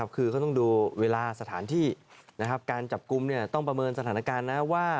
คือเขาต้องดูเวลาสถานที่การจับกลุ่มต้องประเมินสถานการณ์นะว่า